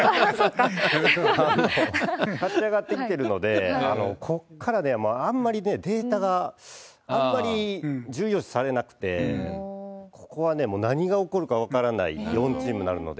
ああ、勝ち上がってきてるので、ここからあんまりデータが、あんまり重要視されなくて、ここはもう何が起こるか分からない４チームになるので。